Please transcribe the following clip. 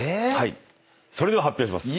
それでは発表します。